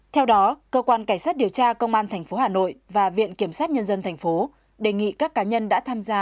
theo đó cơ quan cảnh sát điều tra công an tp hà nội và viện kiểm sát nhân dân tp đề nghị các cá nhân đã tham gia